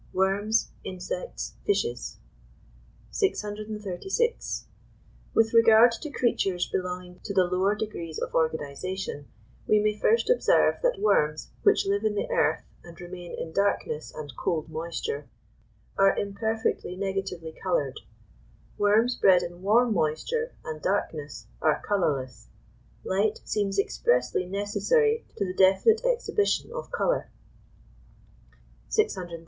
LII. WORMS, INSECTS, FISHES. 636. With regard to creatures belonging to the lower degrees of organisation, we may first observe that worms, which live in the earth and remain in darkness and cold moisture, are imperfectly negatively coloured; worms bred in warm moisture and darkness are colourless; light seems expressly necessary to the definite exhibition of colour. 637.